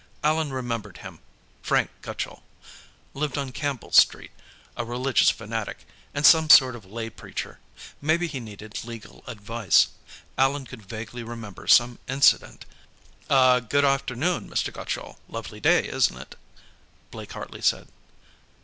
Allan remembered him. Frank Gutchall. Lived on Campbell Street; a religious fanatic, and some sort of lay preacher. Maybe he needed legal advice; Allan could vaguely remember some incident "Ah, good afternoon, Mr. Gutchall. Lovely day, isn't it?" Blake Hartley said.